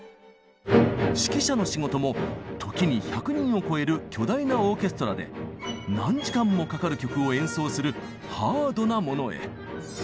指揮者の仕事も時に１００人を超える巨大なオーケストラで何時間もかかる曲を演奏するハードなものへ。